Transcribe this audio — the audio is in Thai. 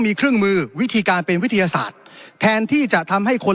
มีเครื่องมือวิธีการเป็นวิทยาศาสตร์แทนที่จะทำให้คน